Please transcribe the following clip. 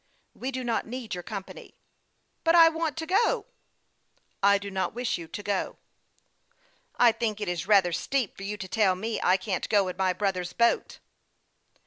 " We do not need your company." "But I want to go." " I do not wish you to go." " I think it is rather steep for you to tell me I can't go in my brother's boat."